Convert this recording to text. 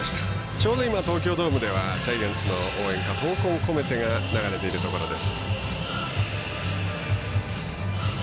ちょうど東京ドームではジャイアンツの応援歌「闘魂こめて」が流れているところです。